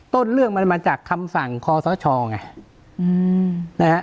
ต้นเรื่องมันมาจากคำสั่งคอสชไงนะฮะ